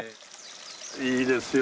いいですよ。